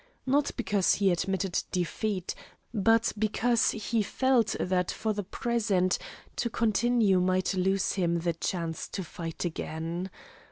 Not because he admitted defeat, but because he felt that for the present to continue might lose him the chance to fight again.